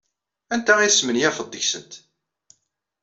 Anta ay tesmenyafeḍ deg-sent?